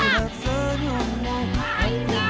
biar tau yuk